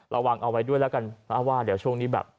ระวังเอาไว้ด้วยแล้วกันเพราะว่าเดี๋ยวช่วงนี้แบบ